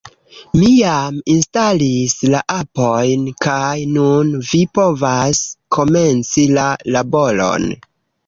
Mi jam instalis la apojn, kaj nun vi povas komenci la laboron.